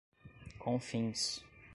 Confins